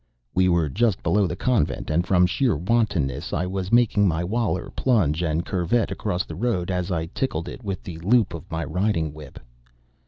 We were just below the Convent, and from sheer wantonness I was making my Waler plunge and curvet across the road as I tickled it with the loop of my riding whip.